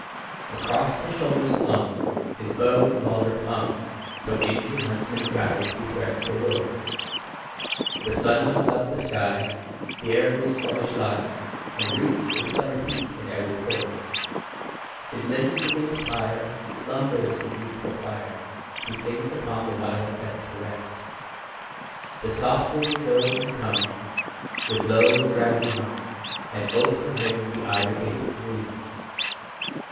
Across his shoulders flung His bow and baldric hung: So, in true huntsman's guise, he threads the wood. The sun mounts up the sky, The air moves sluggishly, And reeks with summer heat in every pore. His limbs begin to tire, Slumbers his youthful fire; He sinks upon a violet bed to rest. The soft winds go and come With low and drowsy hum, And ope for him the ivory gate of dreams.